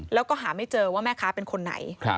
แล้วก็หาไม่เจอว่าแม่ค้าเป็นคนไหน